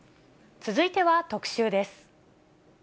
続いては特集です。